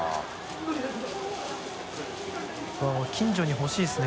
近所にほしいですね